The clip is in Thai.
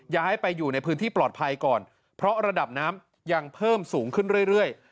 ย้ายไปอยู่ในพื้นที่ปลอดภัยก่อนเพราะระดับน้ำยังเพิ่มสูงขึ้นเรื่อย